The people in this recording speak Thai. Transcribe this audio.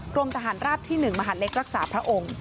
กรมทหารราบที่๑มหาเล็กรักษาพระองค์